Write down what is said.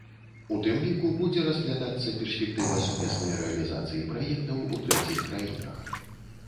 У тым ліку будзе разглядацца перспектыва сумеснай рэалізацыі праектаў у трэціх краінах.